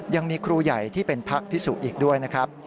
ยังมีครูใหญ่ที่เป็นพระพิสุอีกด้วยนะครับ